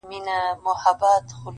o دنيا دوې ورځي ده!